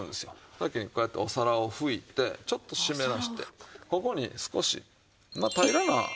先にこうやってお皿を拭いてちょっと湿らせてここに少しまあ平らな。